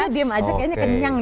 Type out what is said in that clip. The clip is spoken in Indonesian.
dia diam aja kayaknya kenyang